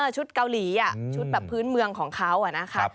ชุดเกาหลีชุดแบบพื้นเมืองของเขานะครับ